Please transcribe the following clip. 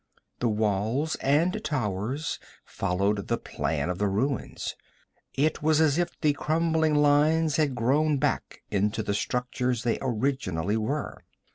The walls and towers followed the plan of the ruins. It was as if the crumbling lines had grown back into the structures they originally were.